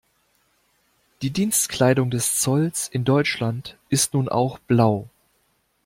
Die Dienstkleidung des Zolls in Deutschland ist nun auch blau.